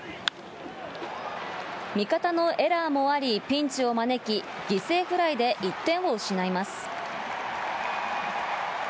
味方のエラーもあり、ピンチを招き、犠牲フライで１点を失います。